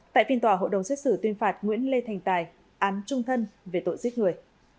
hội đồng xét xử tuyên phạt nguyễn lê thành tài án trung thân về tội giết người